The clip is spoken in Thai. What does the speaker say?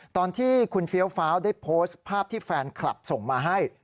ตอนที่คุณเฟี้ยวฟ้าวได้โพสต์ภาพที่แฟนคลับส่งมาให้